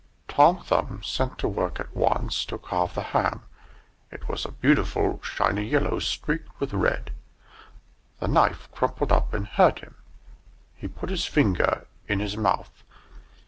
Tom Thumb set to work at once to carve the ham. It was a beautiful shiny yellow, streaked with red. The knife crumpled up and hurt him; he put his finger in his mouth.